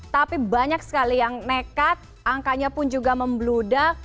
tapi banyak sekali yang nekat angkanya pun juga membludak